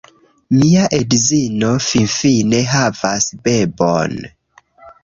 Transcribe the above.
Mia edzino finfine havas bebon!